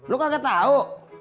lo kok agak tahu